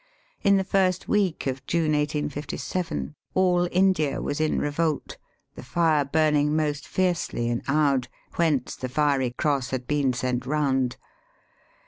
In the first week of June, 1857, all India was in revolt, the fire burning most fiercely in Oude, whence the fiery cross had been sent round.